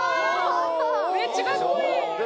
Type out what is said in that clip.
めっちゃかっこいい！